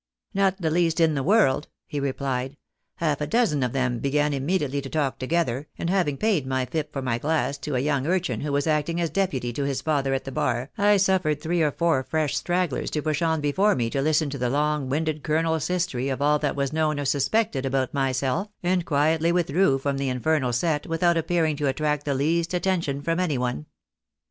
" Not the least in the world," he replied. " Half a dozen of them began immediately to talk together, and having paid my lip' for my glass to a young urchin who was acting as deputy to his father at the bar, I suffered three or four fresh stragglers to push on before me to listen to the long winded colonel's history of all that was known or suspected about myself, and quietly withdrew from the infernal set without appearing to attract the least attention from any one.